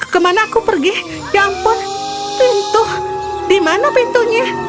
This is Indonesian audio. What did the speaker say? ke mana aku pergi ya ampun pintu dimana pintunya